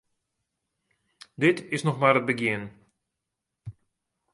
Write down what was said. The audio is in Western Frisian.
Dit is noch mar it begjin.